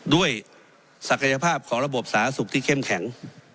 ศักยภาพของระบบสาธารณสุขที่เข้มแข็ง